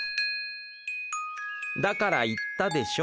「だから言ったでしょ？